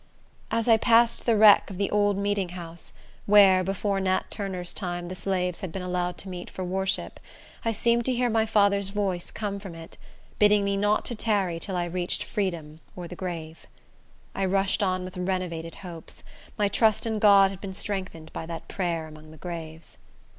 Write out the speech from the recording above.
As I passed the wreck of the old meeting house, where, before Nat Turner's time, the slaves had been allowed to meet for worship, I seemed to hear my father's voice come from it, bidding me not to tarry till I reached freedom or the grave. I rushed on with renovated hopes. My trust in God had been strengthened by that prayer among the graves.